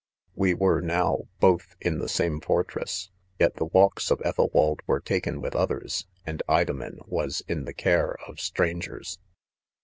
( 22 )•'.• L We were, now, both in the same fortress ; f,ei the walks of "Ethelwald were taken with ojthers, and Idoinen was in the care of stran gers